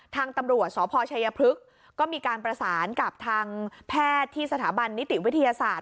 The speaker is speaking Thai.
ทางตำรวจสพชัยพฤกษ์ก็มีการประสานกับทางแพทย์ที่สถาบันนิติวิทยาศาสตร์